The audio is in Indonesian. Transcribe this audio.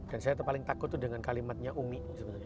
dan saya paling takut tuh dengan kalimatnya ummi